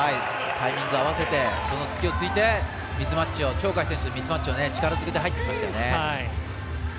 タイミング合わせてその隙を突いて鳥海選手のミスマッチを力ずくで入ってきましたよね。